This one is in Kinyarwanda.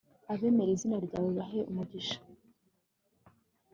abemera izina ryawe bahe umugisha